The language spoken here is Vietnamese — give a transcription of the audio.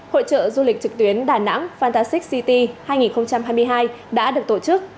hội trợ du lịch trực tuyến đà nẵng fantasic city hai nghìn hai mươi hai đã được tổ chức